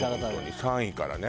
３位からね。